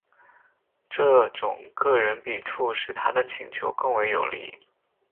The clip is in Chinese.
这种个人笔触使他的请求更为有力。